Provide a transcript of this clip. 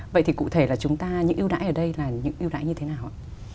vậy thì cụ thể là chúng ta những ưu đãi ở đây là những ưu đãi như thế nào ạ